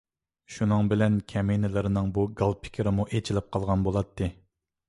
شۇنىڭ بىلەن كەمىنىلىرىنىڭ بۇ گال پىكرىمۇ ئېچىلىپ قالغان بولاتتى.